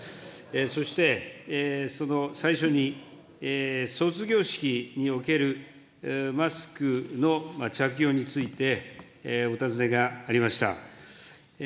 そして、その最初に、卒業式におけるマスクの着用についてお尋ねがありました。